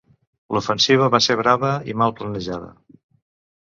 L'ofensiva va ser brava i mal planejada.